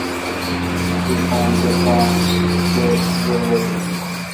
توساں تہ کاں شیہ زاروت این۔